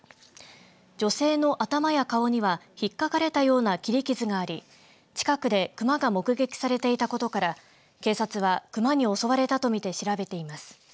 女性の頭や顔にはひっかかれたような切り傷があり近くでクマが目撃されていたことから警察はクマに襲われたと見て調べています。